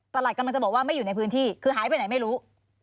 หลัดกำลังจะบอกว่าไม่อยู่ในพื้นที่คือหายไปไหนไม่รู้